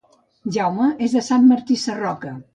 Jaume és de Sant Martí Sarroca